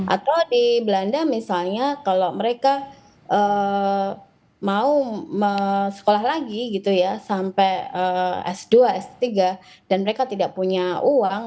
atau di belanda misalnya kalau mereka mau sekolah lagi gitu ya sampai s dua s tiga dan mereka tidak punya uang